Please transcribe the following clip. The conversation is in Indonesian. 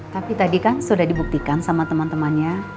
tapi tadi kan sudah dibuktikan sama teman temannya